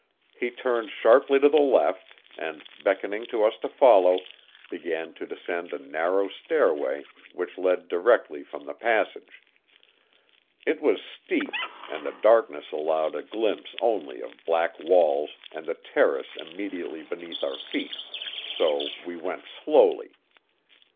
He turned sharply to the left, and, beckoning to us to follow, began to descend a narrow stairway which led directly from the passage. It was steep, and the darkness allowed a glimpse only of black walls and the terrace immediately beneath our feet; so we went slowly.